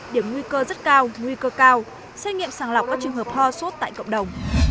điểm nguy cơ rất cao nguy cơ cao xét nghiệm sàng lọc các trường hợp ho sốt tại cộng đồng